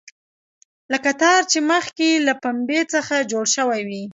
لکه تار چې مخکې له پنبې څخه جوړ شوی وي.